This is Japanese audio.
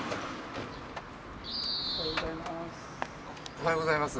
おはようございます。